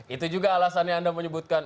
itu juga alasannya anda menyebutkan